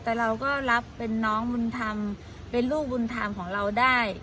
แต่เราก็รับเป็นน้องบุญธรรมเป็นลูกบุญธรรมของเราได้